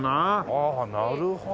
ああなるほどね。